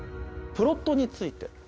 プロットについて。